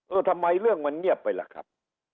ทำไมเรื่องมันเงียบไปล่ะครับ